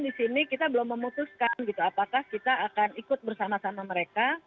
di sini kita belum memutuskan apakah kita akan ikut bersama sama mereka